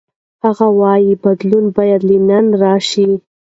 هغه وايي بدلون باید له دننه راشي.